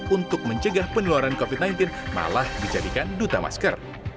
untuk mencegah penularan covid sembilan belas malah dijadikan duta masker